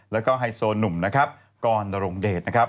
แล้วก็ไฮโซหนุ่มนะครับกรนรงเดชนะครับ